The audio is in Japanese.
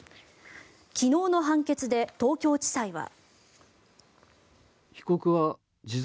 昨日の判決で東京地裁は。